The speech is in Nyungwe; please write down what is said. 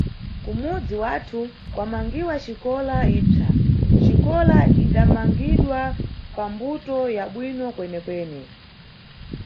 Kumudzi wathu kwamangiwa xikola ipsa, xikola idamangidwa pambuto ya bwino kwenekwene.